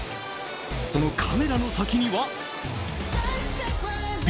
そのカメラの先には、ＢＴＳ！